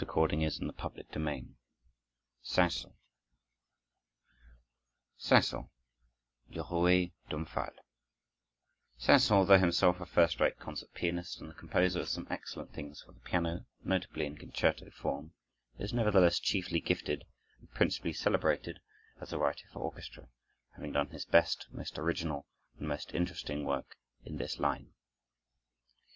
SAINT SAËNS 1835 Saint Saëns: Le Rouet d'Omphale Saint Saëns, though himself a first rate concert pianist and the composer of some excellent things for the piano, notably in concerto form, is, nevertheless, chiefly gifted and principally celebrated as a writer for orchestra, having done his best, most original, and most interesting work in this line.